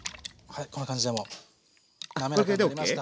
こんな感じでもう滑らかになりました。